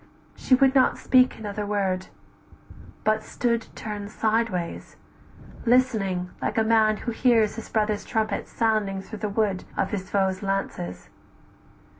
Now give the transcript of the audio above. She would not speak another word, but stood Turn'd sideways; listening, like a man who hears His brother's trumpet sounding through the wood Of his foes' lances.